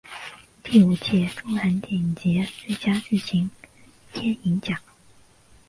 第五届中韩电影节最佳剧情片银奖。